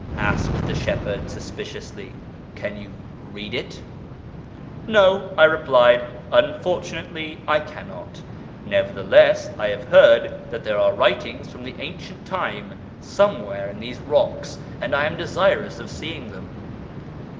asked tlie shepherd, suspiciously. " Can you read it ?"" No," I replied, " unfortunately I cannot; nevertheless I have heard that there are writings from the ancient time somewhere in these rocks, and I am desirous of seeing them."